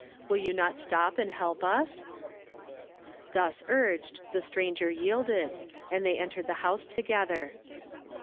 W 111 you not stop and help us ?" Thus u^ed, the stranger yielded, and they en tered the house together.